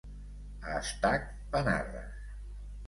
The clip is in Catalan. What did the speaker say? A Estac, panarres.